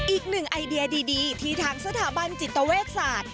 อีกหนึ่งไอเดียดีที่ทางสถาบันจิตเวชศาสตร์